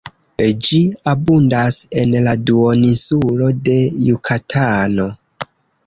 Ĝi abundas en la duoninsulo de Jukatano.